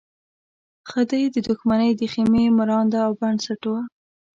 خدۍ د دښمنۍ د خېمې مرانده او بنسټ وه.